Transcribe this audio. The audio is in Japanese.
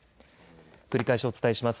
繰り返しお伝えします。